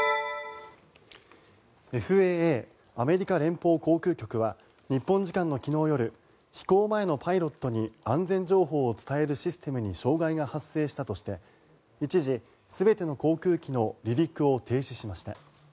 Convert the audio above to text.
ＦＡＡ・アメリカ連邦航空局は日本時間の昨日夜飛行前のパイロットに安全情報を伝えるシステムに障害が発生したとして一時、全ての航空機の離陸を停止しました。